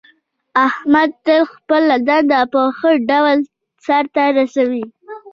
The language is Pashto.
احمد تل خپله دنده په ښه ډول سرته رسوي.